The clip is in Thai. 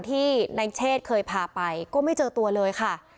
ที่นายเชษเคยพาไปก็ไม่เจอตัวเลยค่ะ